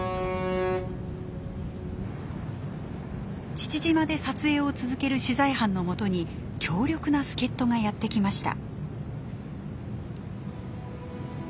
父島で撮影を続ける取材班の元に強力な助っ人がやって来ました。